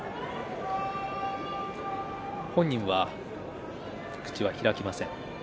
本人は口を開きません。